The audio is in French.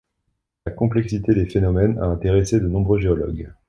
La complexité des phénomènes a intéressé de nombreux géologues.